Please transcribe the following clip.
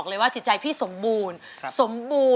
สวัสดีครับ